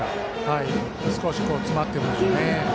少し詰まっているでしょう。